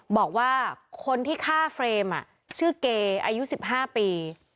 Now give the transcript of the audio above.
บอกว่าคนที่ฆ่าเฟรมชื่อเกย์อายุ๑๕ปี